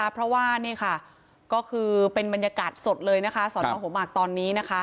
เพราะว่าเป็นบรรยากาศสดเลยสอนออกหัวมากตอนนี้